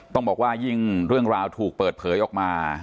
ต้องบอกว่ายิ่งเรื่องราวถูกเปิดเผยออกมา